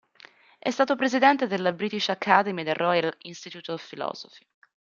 È stato presidente della British Academy e del Royal Institute of Philosophy.